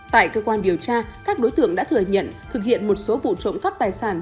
tại cơ quan điều tra các đối tượng đã thừa nhận thực hiện một số vụ trộm cắp tài sản